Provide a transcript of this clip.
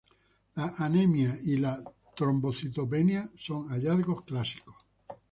La anemia y la trombocitopenia son hallazgos clásicos.